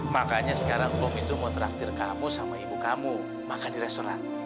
makanya sekarang om itu mau traktir kamu sama ibu kamu makan di restoran